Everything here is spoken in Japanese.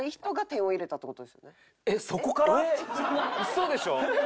嘘でしょ？